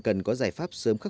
cần có giải pháp sớm nhất